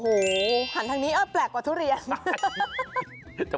อันทางนะแปลกกว่าทุเรียน